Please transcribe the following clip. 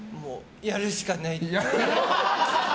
やるしかないって。